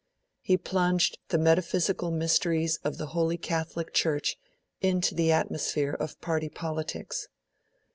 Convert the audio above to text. He plunged the metaphysical mysteries of the Holy Catholic Church into the atmosphere of party politics.